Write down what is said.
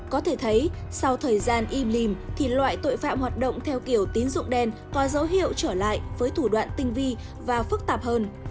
có thể thấy sau thời gian im lìm thì loại tội phạm hoạt động theo kiểu tín dụng đen có dấu hiệu trở lại với thủ đoạn tinh vi và phức tạp hơn